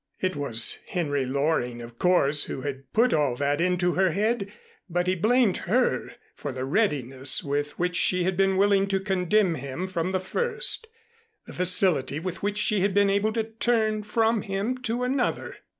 It was Henry Loring, of course, who had put all that into her head, but he blamed her for the readiness with which she had been willing to condemn him from the first, the facility with which she had been able to turn from him to another.